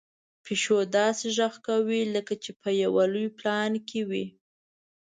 پيشو داسې غږ کوي لکه چې په یو لوی پلان کې وي.